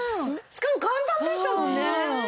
しかも簡単でしたもんね。